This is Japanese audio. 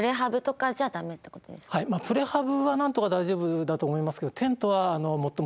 プレハブはなんとか大丈夫だと思いますけど逆に言うと。